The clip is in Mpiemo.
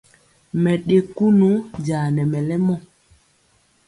Mɛ ɗe kunu jaa nɛ mɛlɛmɔ.